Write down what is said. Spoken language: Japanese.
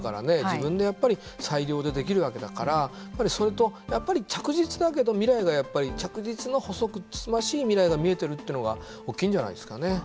自分でやっぱり裁量でできるわけだからそれとやっぱり着実だけど未来が着実の細くつましい未来が見えてるっていうのがおっきいんじゃないですかね。